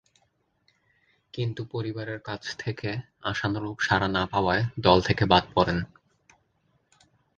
কিন্তু পরিবারের কাছ থেকে আশানুরূপ সাড়া না পাওয়ায় দল থেকে বাদ পড়েন।